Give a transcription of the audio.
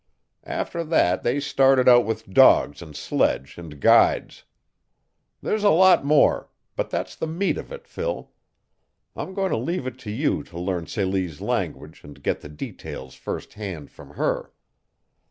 After that they started out with dogs and sledge and guides. There's a lot more, but that's the meat of it, Phil. I'm going to leave it to you to learn Celie's language and get the details first hand from her.